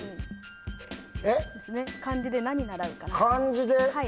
漢字で何を習うか。